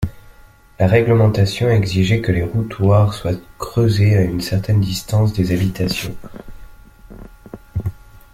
La réglementation exigeait que les routoirs soient creusés à une certaine distance des habitations.